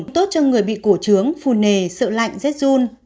dùng tốt cho người bị cổ trướng phù nề sợ lạnh rất run